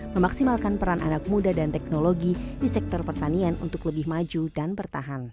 memaksimalkan peran anak muda dan teknologi di sektor pertanian untuk lebih maju dan bertahan